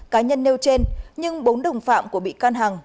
cá nhân nêu trên nhưng bốn đồng phạm của bị can hằng